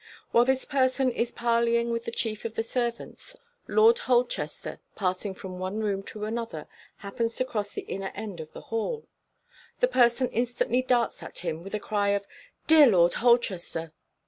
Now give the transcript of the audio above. While this person is parleying with the chief of the servants, Lord Holchester, passing from one room to another, happens to cross the inner end of the hall. The person instantly darts at him with a cry of "Dear Lord Holchester!"